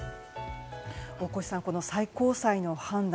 大越さん最高裁のこの判断